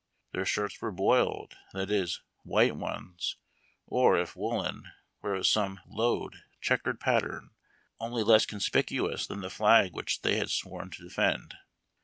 Their shirts were " boiled," that is, white ones, or, if woollen, were of some " loud " checkered pat tern, only less consjDicuous than the flag which they had sworn to defend.